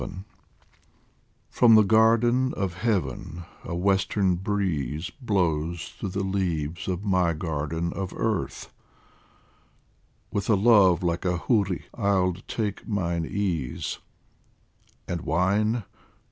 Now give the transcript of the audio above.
VII FROM the garden of Heaven a western breeze Blows through the leaves of my garden of earth ; With a love like a huri I' Id take mine ease, And wine